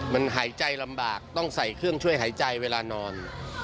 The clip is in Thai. มันหายใจลำบากต้องใส่เครื่องช่วยหายใจเวลานอน